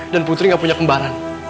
dan putri nggak punya kembaran